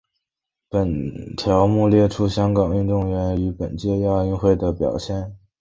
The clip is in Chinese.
本条目列出香港运动员于本届亚运会的表现。